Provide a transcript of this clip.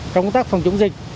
trong công tác phòng chống dịch